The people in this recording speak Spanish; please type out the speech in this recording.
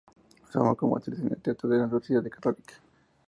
Se formó como actriz en el Teatro de la Universidad Católica.